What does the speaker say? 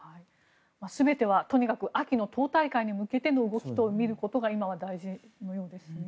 全ては、とにかく秋の党大会に向けての動きとみることが大事のようですね。